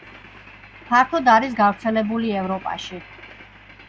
ფართოდ არის გავრცელებული ევროპაში.